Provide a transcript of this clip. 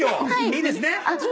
いいですね？